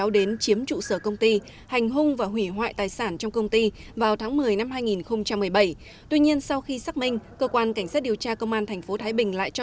đến ngày một mươi hai tháng bốn năm hai nghìn một mươi tám cơ quan cảnh sát điều tra công an tp thái bình